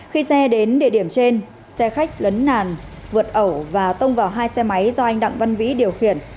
khi xe đến địa điểm trên xe khách lấn nàn vượt ẩu và tông vào hai xe máy do anh đặng văn vĩ điều khiển